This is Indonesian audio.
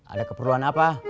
ada keperluan apa